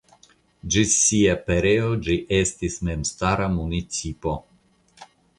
Ĝis sia pereo ĝi estis memstara municipo.